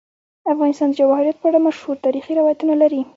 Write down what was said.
افغانستان د جواهرات په اړه مشهور تاریخی روایتونه لري.